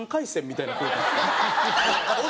みたいな。